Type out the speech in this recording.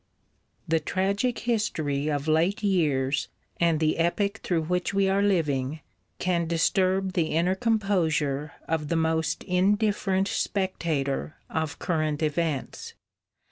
The tragic history of late years and the epoch through which we are living can disturb the inner composure of the most indifferent spectator of current events.